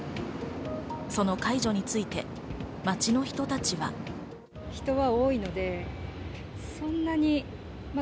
その解除について街の人たちは。